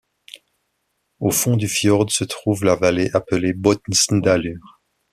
Au fond du fjord se trouve la vallée appelée Botnsdalur.